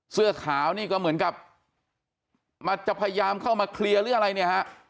เสื้อขาวนี่ก็เหมือนกับมาจะพยายามเข้ามาเคลียร์หรืออะไรเนี่ยฮะ